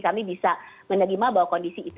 kami bisa menerima bahwa kondisi itu